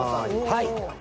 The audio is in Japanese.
はい。